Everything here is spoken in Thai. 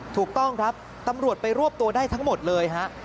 ถูกต้องครับตำรวจไปรวบตัวได้ทั้งหมดเลยฮะ